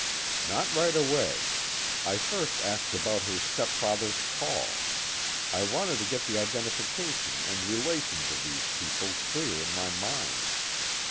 "Not right away. I first asked about her stepfather's call. I wanted to get the identification and relations of these people clear in my mind.